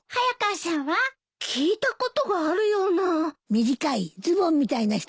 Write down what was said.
短いズボンみたいな下着よ。